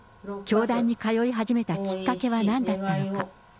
教団に通い始めたきっかけはなんだったのか。